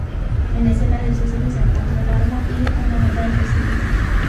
En la escena del suceso se encontró el arma y una nota de suicidio.